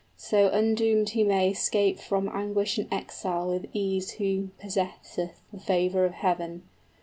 So undoomed he may 'scape from Anguish and exile with ease who possesseth The favor of Heaven.